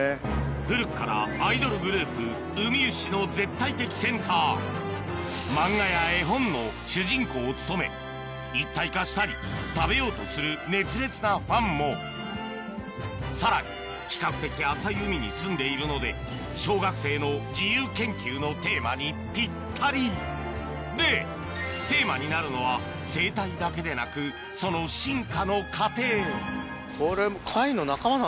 古くからアイドルグループＵＭＩＵＳＨＩの絶対的センター漫画や絵本の主人公を務め一体化したり食べようとする熱烈なファンもさらに比較的浅い海にすんでいるので小学生の自由研究のテーマにぴったりでテーマになるのは生態だけでなくその進化の過程